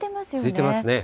続いてますね。